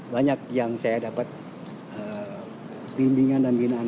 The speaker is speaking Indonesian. banyak yang saya dapat bimbingan dan binaan